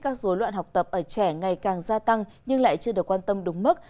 các dối loạn học tập ở trẻ ngày càng gia tăng nhưng lại chưa được quan tâm đúng mức